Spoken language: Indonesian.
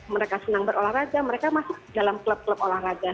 mereka senang berolahraga mereka masuk dalam klub klub olahraga